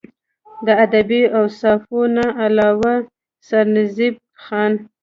د ادبي اوصافو نه علاوه سرنزېب خان